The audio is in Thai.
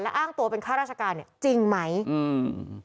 อ้างตัวเป็นข้าราชการเนี้ยจริงไหมอืม